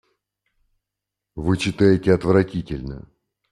Вы читаете отвратительно.